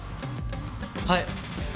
はい。